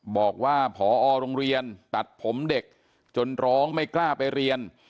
บอกว่าพอโรงเรียนตัดผมเด็กจนร้องไม่กล้าไปเรียน